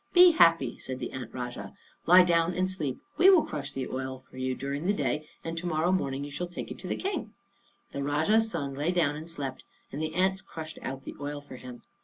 "Be happy," said the Ant Rajah; "lie down and sleep; we will crush all the oil out for you during the day, and to morrow morning you shall take it to the King." The Rajah's son lay down and slept, and the ants crushed out the oil for him.